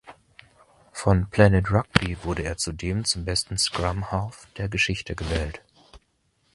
Von Planet Rugby wurde er zudem zum besten Scrum-Half der Geschichte gewählt.